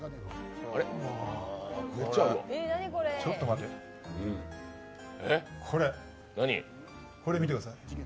ちょっと待って、これ、これ見てください。